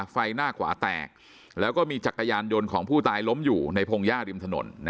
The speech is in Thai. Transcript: ไฟหน้าขวาแตกแล้วก็มีจักรยานยนต์ของผู้ตายล้มอยู่ในพงหญ้าริมถนน